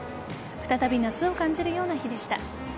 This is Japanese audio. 再び夏を感じるような日でした。